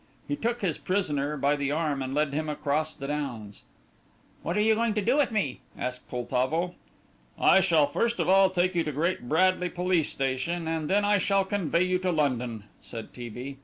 He took his prisoner by the arm and led him across the downs. "What are you going to do with me?" asked Poltavo. "I shall first of all take you to Great Bradley police station, and then I shall convey you to London," said T. B.